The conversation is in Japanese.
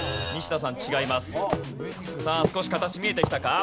さあ少し形見えてきたか？